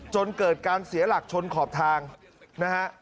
จนเกิดการเสียหลักชนขอบทางนะฮะ